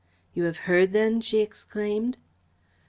"You have heard then?" she exclaimed.